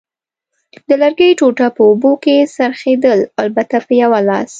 د لرګي ټوټه په اوبو کې څرخېدل، البته په یوه لاس.